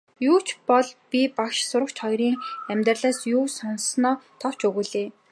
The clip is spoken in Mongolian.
Юу ч бол би багш сурагч хоёрын амьдралаас юу сонссоноо товч өгүүлье.